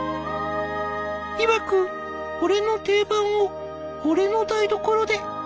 いわく「俺の定番を俺の台所で！」。